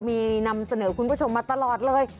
มีนำเสนอคุณผู้ชมมาตลอดเลย